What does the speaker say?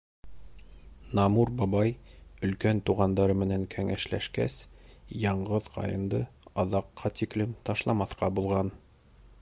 Намур бабай өлкән туғандары менән кәңәшләшкәс, яңғыҙ ҡайынды аҙаҡҡа тиклем ташламаҫҡа булған.